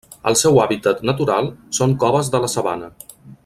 El seu hàbitat natural són coves de la sabana.